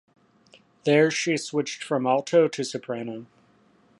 There she switched from alto to soprano.